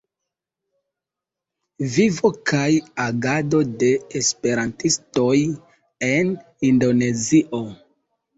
Vivo kaj agado de esperantistoj en Indonezio".